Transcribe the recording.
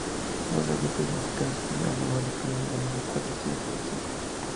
Morgan Jeffrey de "Digital Spy" alabó el episodio, dándole cuatro estrellas sobre cinco.